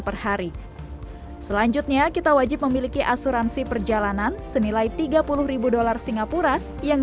perhari selanjutnya kita wajib memiliki asuransi perjalanan senilai tiga puluh ribu dolar singapura yang